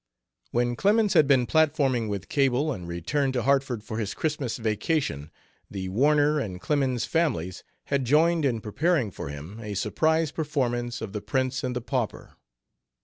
When Clemens had been platforming with Cable and returned to Hartford for his Christmas vacation, the Warner and Clemens families had joined in preparing for him a surprise performance of The Prince and the Pauper.